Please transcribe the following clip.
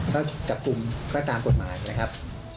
แล้วก็กลับกลุ่มก็ตามกฎหมายเลยครับ